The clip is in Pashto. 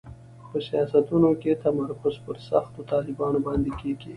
په سیاستونو کې تمرکز پر سختو طالبانو باندې کېږي.